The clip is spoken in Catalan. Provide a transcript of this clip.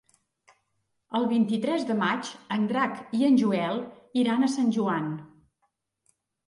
El vint-i-tres de maig en Drac i en Joel iran a Sant Joan.